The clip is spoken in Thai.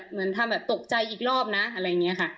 เหมือนทำแบบตกใจอีกรอบนะอะไรอย่างนี้ค่ะ